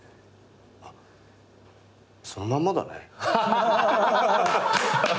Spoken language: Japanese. あっそのまんまだね。